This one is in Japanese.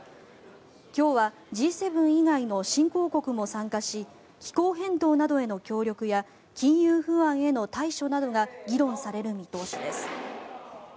今日はＧ７以外の新興国も参加し気候変動などへの協力や金融不安への対処などが議論される見通しです。